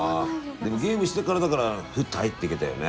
でもゲームしてからだからふっと入っていけたよね。